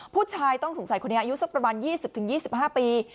ผู้ชายต้องสงสัยคนนี้อายุสักประมาณ๒๐๒๕ปี